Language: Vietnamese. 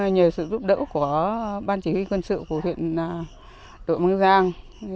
nhờ sự giúp đỡ của ban chỉ huy quân sự của huyện đội giang